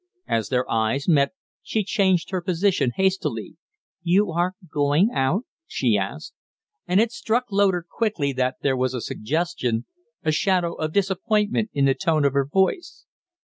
As their eyes met, she changed her position hastily. "You are going out?" she asked. And it struck Loder quickly that there was a suggestion, a shadow of disappointment in the tone of her voice.